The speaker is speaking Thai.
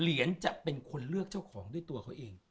เหรียญจะเป็นคนเลือกเจ้าของด้วยตัวเขาเอง